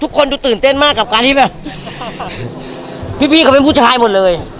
ทุกคนดูตื่นเต้นมากกับการที่แบบพี่เขาเป็นผู้ชายหมดเลย